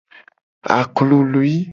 Aklului.